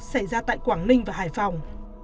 xảy ra tại quảng ninh và hải phòng